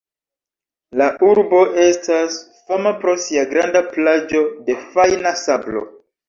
La urbo estas fama pro sia granda plaĝo da fajna sablo.